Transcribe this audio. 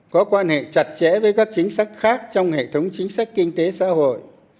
có quan hệ chặt chẽ với các chính sách khác trong hệ thống chính sách kinh tế xã hội